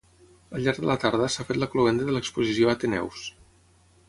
Al llarg de la tarda, s'ha fet la cloenda de l'exposició Ateneus.